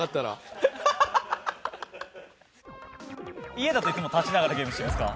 家だといつも立ちながらゲームしてるんですか？